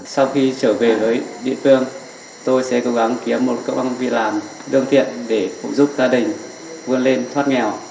sau khi trở về với địa phương tôi sẽ cố gắng kiếm một công an việc làm đương thiện để giúp gia đình vươn lên thoát nghèo